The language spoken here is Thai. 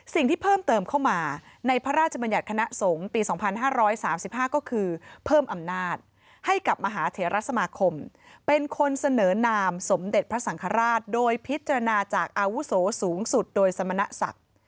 สิ่งที่เพิ่มเติมเข้ามาในพระราชบัญญัติคณะสงฆ์ปี๒๕๓๕ก็คือเพิ่มอำนาจให้กับมหาเถระสมาคมเป็นคนเสนอนามสมเด็จพระสังฆราชโดยพิจารณาจากอาวุโสสูงสุดโดยสมณศักดิ์